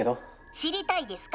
知りたいですか？